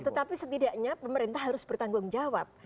tetapi setidaknya pemerintah harus bertanggung jawab